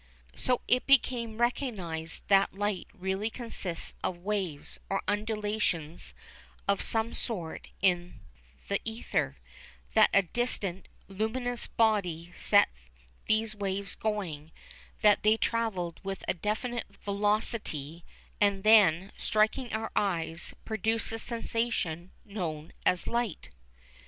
So it became recognised that light really consists of waves or undulations of some sort in the ether; that a distant, luminous body set these waves going; that they travelled with a definite velocity, and then, striking our eyes, produced the sensation known as light.